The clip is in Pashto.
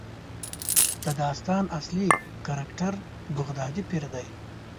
د داستان اصلي کرکټر بغدادي پیر دی.